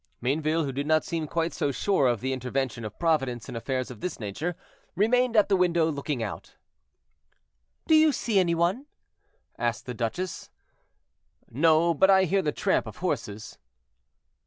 Mayneville, who did not seem quite so sure of the intervention of Providence in affairs of this nature, remained at the window looking out. "Do you see any one?" asked the duchess. "No, but I hear the tramp of horses."